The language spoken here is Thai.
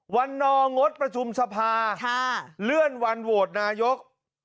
นองดประชุมสภาเลื่อนวันโหวตนายก